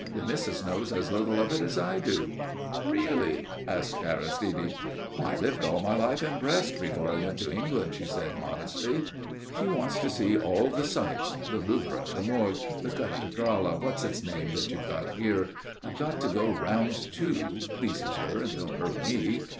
"The missus knows as little of it as I do." "Really?" asked Aristide. "I lived all my life in Brest before I went to England," she said, modestly. "She wants to see all the sights, the Louvre, the Morgue, the Cathedral of What's its name that you've got here. I've got to go round, too. Pleases her and don't hurt me.